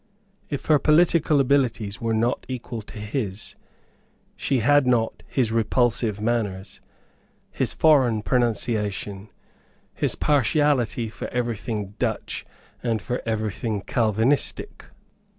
If her political abilities were not equal to his, she had not his repulsive manners, his foreign pronunciation, his partiality for every thing Dutch and for every thing Calvinistic.